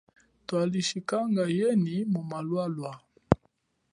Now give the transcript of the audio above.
Twali chikanga nenyi mu mamwalwa.